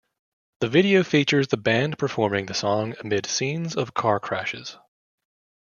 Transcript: The video features the band performing the song amid scenes of car crashes.